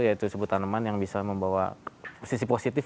yaitu sebuah tanaman yang bisa membawa sisi positif